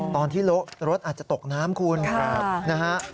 ตอนที่รถอาจจะตกน้ำคุณนะฮะ